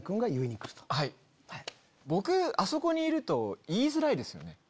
僕あそこにいると言いづらいですよね。